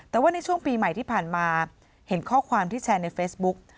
แต่ว่าในช่วงปีใหม่ที่ผ่านมาเห็นข้อความที่แชร์ในเฟซบุ๊ก